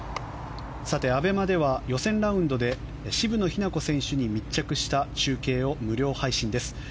ＡＢＥＭＡでは予選ラウンドにて渋野日向子選手に密着した中継を無料で配信中です。